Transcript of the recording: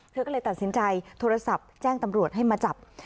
เธอก็เลยตัดสินใจโทรศัพท์แจ้งตำรวจให้มาจับ